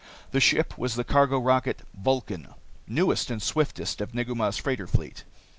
The ship was the cargo rocket Vulcan, newest and swiftest of Negu Mah's freighter fleet.